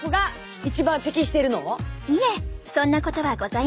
いえそんなことはございません。